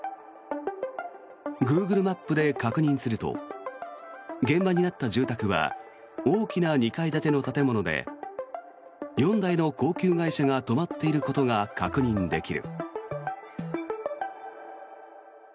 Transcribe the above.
グーグルマップで確認すると現場になった住宅は大きな２階建ての建物で４台の高級外車が止まっていることが確認できる。